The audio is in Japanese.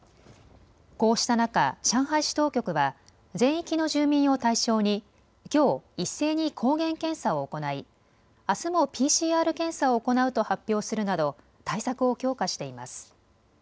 こうした中、上海市当局は全域の住民を対象にきょう一斉に抗原検査を行いあすもＰＣＲ検査を行うと発表するなど対策を強化しています。